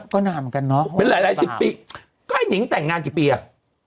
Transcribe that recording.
ก็นานเหมือนกันเนอะเป็นหลายหลายสิบปีก็ไอ้นิงแต่งงานกี่ปีอ่ะ